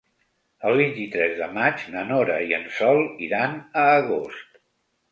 El vint-i-tres de maig na Nora i en Sol iran a Agost.